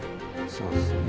そうですね。